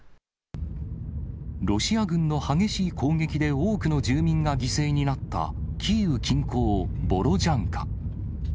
ロシア軍の激しい攻撃で多くの住民が犠牲になった、キーウ近郊ボロジャンカ。